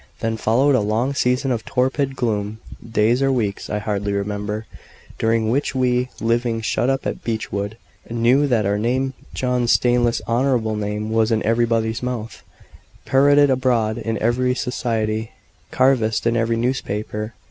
Then followed a long season of torpid gloom days or weeks, I hardly remember during which we, living shut up at Beechwood, knew that our name John's stainless, honourable name was in everybody's mouth parrotted abroad in every society canvassed in every newspaper.